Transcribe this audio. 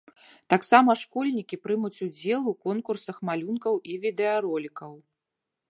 Таксама школьнікі прымуць удзел у конкурсах малюнкаў і відэаролікаў.